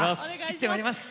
行ってまいります。